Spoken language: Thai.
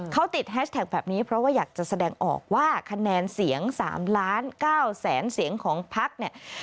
เขาติดแฮชแท็กแบบนี้เพราะว่าอยากจะแสดงออกว่าคะแนนเสียง๓ล้าน๙แสนเสียงของพักเนี่ย